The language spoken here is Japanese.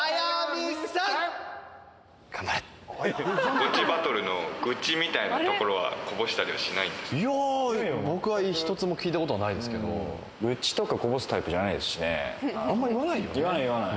ゴチバトルの愚痴みたいなところは、こぼしたりはしないですいや、僕は一つも聞いたこと愚痴とかこぼすタイプじゃなあんまり言わないよね。